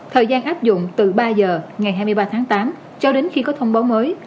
thời gian áp dụng từ ba giờ ngày hai mươi ba tháng tám cho đến khi có thông báo mới